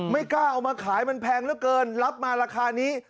ไม่กล้าเอามาขายมันแพงเหลือเกินรับมาราคานี้